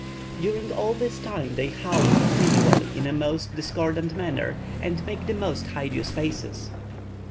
During all this time they howl continually in a most discordant manner, and make the most hideous faces.